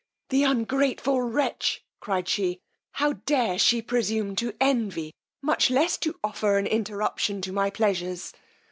The ungrateful wretch! cried she, how dare she presume to envy, much less to offer an interruption to my pleasures!